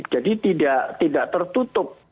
jadi tidak tertutup